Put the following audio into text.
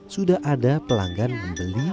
sudah ada pelanggan membeli